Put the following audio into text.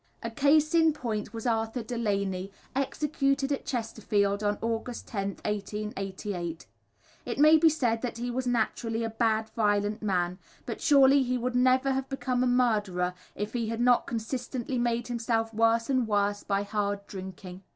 A case in point was Arthur Delaney, executed at Chesterfield on August 10th, 1888. It may be said that he was naturally a bad, violent man, but surely he would never have become a murderer if he had not consistently made himself worse and worse by hard drinking.